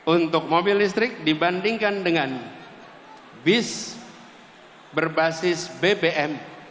untuk mobil listrik dibandingkan dengan bis berbasis bbm